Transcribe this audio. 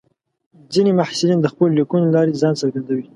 ځینې محصلین د خپلو لیکنو له لارې ځان څرګندوي.